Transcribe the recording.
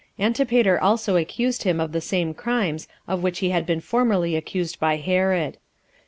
Antipater also accused him of the same crimes of which he had been formerly accused by Herod.